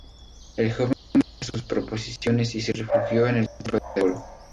El joven rechazó sus proposiciones y se refugió en el templo de Apolo.